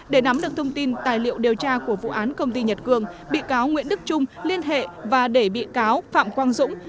để nắm được thông tin tài liệu điều tra của vụ án công ty nhật cường bị cáo nguyễn đức trung liên hệ và để bị cáo phạm quang dũng